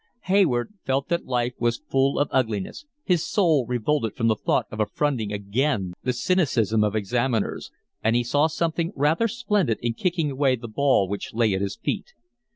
Hayward felt that life was full of ugliness, his soul revolted from the thought of affronting again the cynicism of examiners, and he saw something rather splendid in kicking away the ball which lay at his feet.